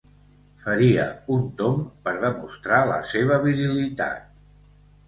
Faria un tomb per demostrar la seva virilitat.